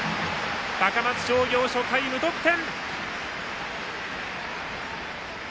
高松商業、初回、無得点。